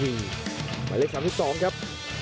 ไหมเลข๓ที่๒ครับ